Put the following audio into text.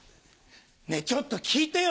ねぇちょっと聞いてよ